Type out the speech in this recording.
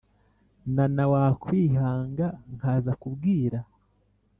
nana wakwihanga nkaza kubwira